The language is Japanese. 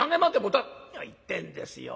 「何を言ってんですよ。